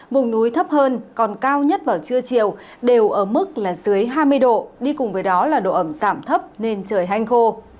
vùng núi thấp hơn còn cao nhất vào trưa chiều đều ở mức là dưới hai mươi độ đi cùng với đó là độ ẩm giảm thấp nên trời hanh khô